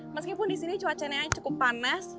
meskipun disini cuacanya cukup panas